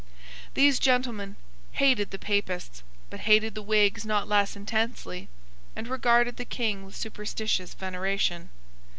These gentlemen hated the Papists, but hated the Whigs not less intensely, and regarded the King with superstitious veneration.